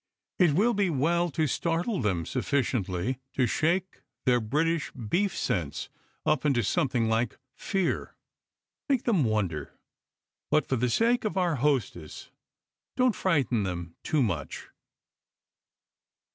It will be well to startle them sufficiently to shake their British beef sense up into something like fear. Make them wonder, but, for the sake of our hostess, don't frighten them too much."